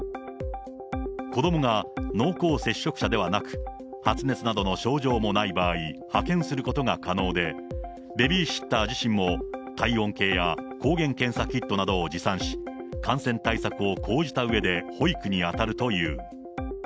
子どもが濃厚接触者ではなく、発熱などの症状もない場合、派遣することが可能で、ベビーシッター自身も体温計や抗原検査キットなどを持参し、感染対策を講じたうえで保育に当たるという。